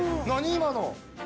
今の。